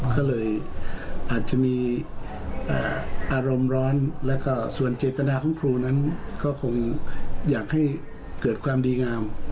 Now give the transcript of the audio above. ก็เลยอาจจะมีอารมณ์ร้อนแล้วก็ส่วนเจตนาของครูนั้นก็คงอยากให้เกิดความดีงาม